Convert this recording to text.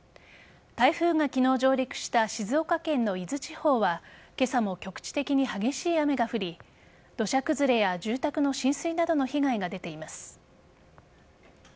台風が昨日上陸した静岡県の伊豆地方は今朝も局地的に激しい雨が降り土砂崩れや住宅の浸水などの被害が出ています。